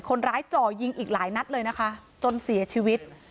จ่อยิงอีกหลายนัดเลยนะคะจนเสียชีวิต